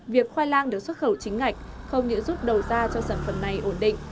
việc khoai lang được xuất khẩu chính ngạch không chỉ giúp đầu gia cho sản phẩm này ổn định